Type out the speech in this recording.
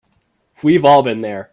We've all been there.